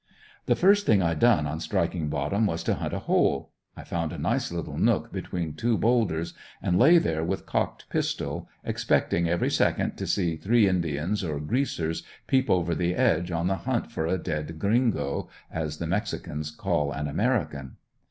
The first thing I done on striking bottom was to hunt a hole. I found a nice little nook between two boulders and lay there with cocked pistol, expecting every second to see three Indians or "Greasers" peep over the ledge on the hunt for a dead "Gringo" as the mexicans call an American.